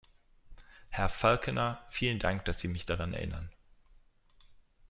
Herr Falconer, vielen Dank, dass Sie mich daran erinnern.